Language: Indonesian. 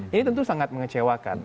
ini tentu sangat mengecewakan